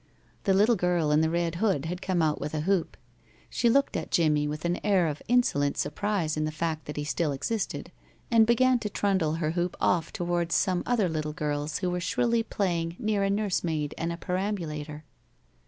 The little girl in the red hood had come out with a hoop. She looked at Jimmie with an air of insolent surprise in the fact that he still existed, and began to trundle her hoop off towards some other little girls who were shrilly playing near a nurse maid and a perambulator.